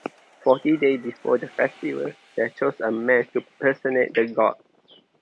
Forty days before the festival, they chose a man to personate the god.